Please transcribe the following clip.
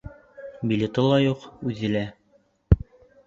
Билеты ла юҡ, үҙе лә!